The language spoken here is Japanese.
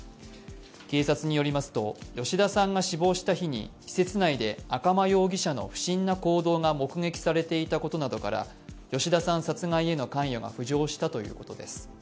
警察によりますと、吉田さんが死亡した日に施設内で赤間容疑者の不審な行動が目撃されていたことなどから吉田さん殺害への関与が浮上したということです。